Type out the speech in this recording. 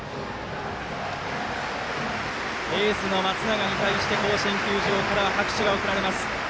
エースの松永に対して甲子園球場からは拍手が送られます。